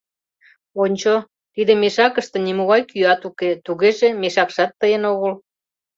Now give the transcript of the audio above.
Ончо, тиде мешакыште нимогай кӱат уке, тугеже, мешакшат тыйын огыл.